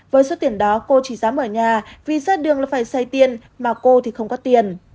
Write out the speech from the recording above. với số tiền đó cô chỉ dám ở nhà vì ra đường là phải xây tiền mà cô thì không có tiền